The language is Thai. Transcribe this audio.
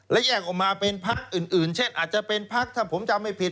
และแยกออกมาเป็นพักอื่นเช่นอาจจะเป็นพักถ้าผมจำไม่ผิด